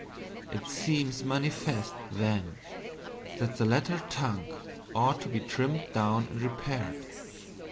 It seems manifest, then, that the latter tongue ought to be trimmed down and repaired.